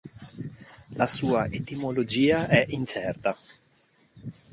La sua etimologia è incerta.